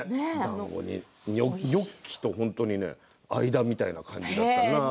ニョッキと本当に間みたいな感じだったな。